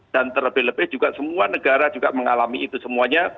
dan terlebih lebih juga semua negara juga mengalami itu semuanya